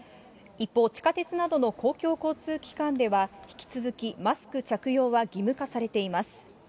一方、地下鉄などの公共交通機関では、引き続きマスク着用は義務化されています。